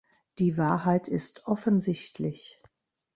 Die Wahrheit ist offensichtlich.